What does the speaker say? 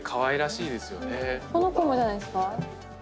この子もじゃないですか？